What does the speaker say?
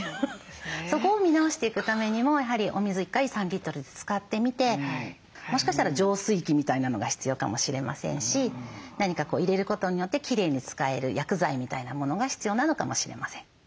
そこを見直していくためにもやはりお水１回３リットルで使ってみてもしかしたら浄水器みたいなのが必要かもしれませんし何か入れることによってきれいに使える薬剤みたいなものが必要なのかもしれません。